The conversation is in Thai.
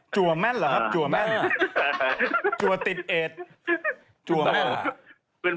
แม่นเหรอครับจัวแม่นจัวติดเอดจัวแม่นเหรอ